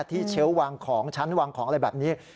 เชลล์วางของชั้นวางของอะไรแบบนี้